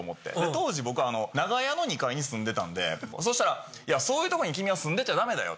当時僕。に住んでたんでそしたらそういうとこに君は住んでちゃダメだよって。